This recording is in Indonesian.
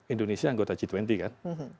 indonesia anggota g dua puluh kan